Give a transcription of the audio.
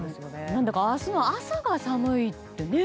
何だか明日の朝が寒いって。